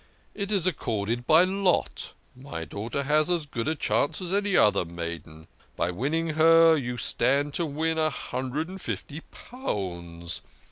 It is accorded by lot. My daughter has as good a chance as any other maiden. By winning her you stand to win a hundred and fifty pounds.